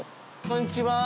こんにちは。